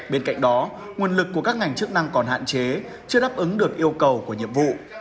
bên cạnh đó nguồn lực của các ngành chức năng còn hạn chế chưa đáp ứng được yêu cầu của nhiệm vụ